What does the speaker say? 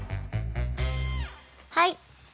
はい。